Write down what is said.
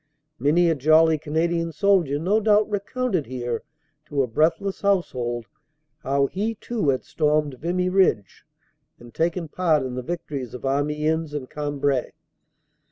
Many a jolly Canadian soldier no doubt recounted here to a breathless household how he too had stormed Vimy Ridge and taken part in the victories of Amiens and Cambrai.